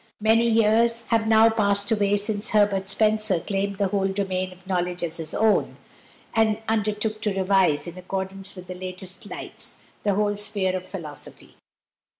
Many years have now passed away since Herbert Spencer claimed the whole domain of knowledge as his own, and undertook to revise, in accordance with the latest lights, the whole sphere of philosophy.